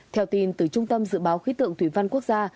theo tin từ trung tâm dự báo khí tượng thủy văn quốc gia